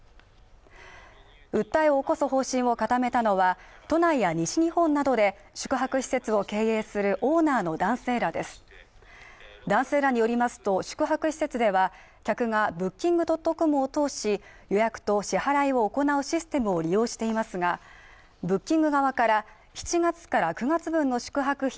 訴えを起こす方針を固めたのは都内や西日本などで宿泊施設を経営するオーナーの男性らです男性らによりますと宿泊施設では客がブッキング・ドットコムを通し予約と支払いを行うシステムを利用していますがブッキング側から７月から９月分の宿泊費